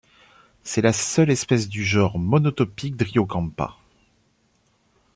C'est la seule espèce du genre monotypique Dryocampa.